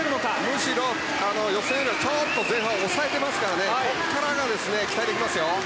むしろ予選よりはちょっと前半抑えていますからここからが期待できますよ。